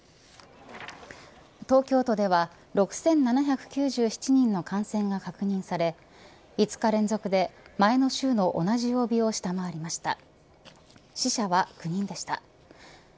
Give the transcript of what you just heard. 東京都では６７９７人の感染が確認され５日連続で前の週の同じ曜日を下回りました。